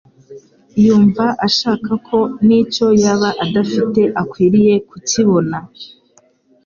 Yumva ashaka ko n'icyo yaba adafite akwiriye kukibona.